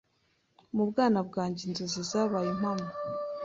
Mu bwana bwanjye inzozi zabaye impamo